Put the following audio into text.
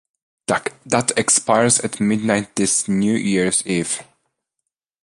That expires at midnight this New Year's Eve.